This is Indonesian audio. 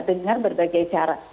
dengar berbagai cara